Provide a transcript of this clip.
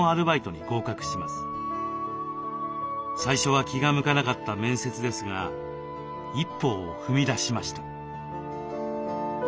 最初は気が向かなかった面接ですが一歩を踏み出しました。